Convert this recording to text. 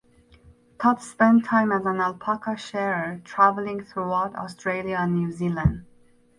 Tutt spent time as an alpaca shearer travelling throughout Australia and New Zealand.